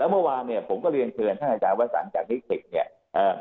แล้วเมื่อวานเนี่ยผมก็เรียงเชิญท่านอาจารย์วัฒนจากเน็กเทคเนี่ยเอ่อ